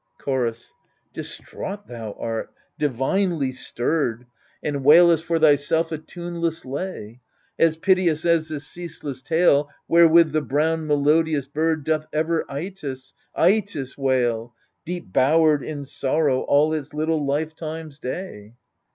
Chorus Distraught thou art, divinely stirred, And wailest for thyself a tuneless lay, As piteous as the ceaseless tale Wherewith the brown melodious bird Doth ever Itys 1 Itys 1 wail, Deep bowered in sorrow, all its little life time's day